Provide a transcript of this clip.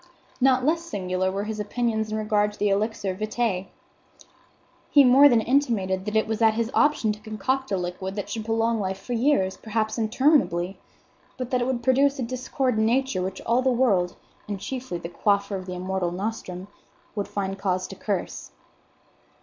Not less singular were his opinions in regard to the elixir vitae. He more than intimated that it was at his option to concoct a liquid that should prolong life for years, perhaps interminably; but that it would produce a discord in Nature which all the world, and chiefly the quaffer of the immortal nostrum, would find cause to curse.